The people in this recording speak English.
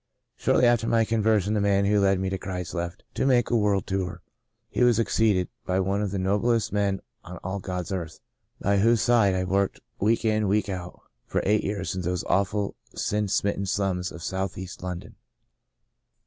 Shortly after my conversion the man who led me to Christ left to make a world tour. He was succeeded by one of the no blest men on all God's earth, by whose side 1/8 The Second Spring I worked, week in and week out, for eight years in those awful sin smitten slums of Southeast London.